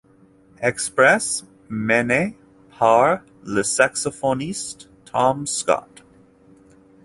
Express mené par le saxophoniste Tom Scott.